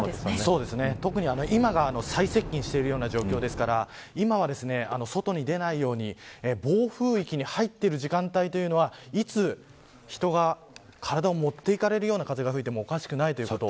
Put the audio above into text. そうですね、特に今が最接近している状況ですから今は外に出ないように暴風域に入っている時間帯というのはいつ人が体を持っていかれるような風が吹いてもおかしくないです。